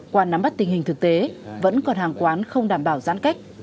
qua nắm bắt tình hình thực tế vẫn còn hàng quán không đảm bảo giãn cách